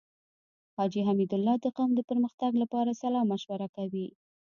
حاجی حميدالله د قوم د پرمختګ لپاره صلاح مشوره کوي.